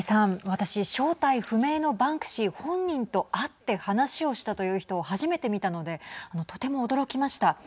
私、正体不明のバンクシー本人と会って話をしたという人を初めて見たのでとても驚きました。